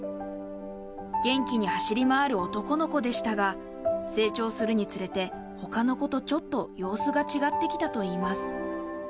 元気に走り回る男の子でしたが、成長するにつれて、ほかの子とちょっと様子が違ってきたといいます。